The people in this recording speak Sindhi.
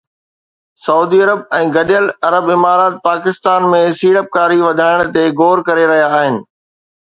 سعودي عرب ۽ گڏيل عرب امارات پاڪستان ۾ سيڙپڪاري وڌائڻ تي غور ڪري رهيا آهن